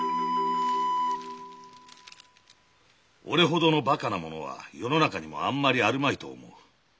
「俺ほどのバカな者は世の中にもあんまりあるまいと思う。